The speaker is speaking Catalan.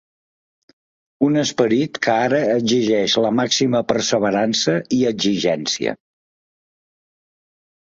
Un esperit que ara exigeix la màxima perseverança i exigència.